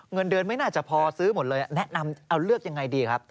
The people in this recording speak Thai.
เงินเดือนไม่น่าจะพอซื้อหมดเลยแนะนำเอาเลือกยังไงดีครับ